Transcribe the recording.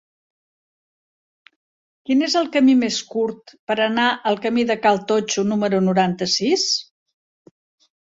Quin és el camí més curt per anar al camí de Cal Totxo número noranta-sis?